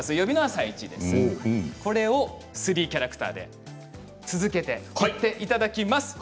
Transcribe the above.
これを３キャラクターで続けてやっていただきます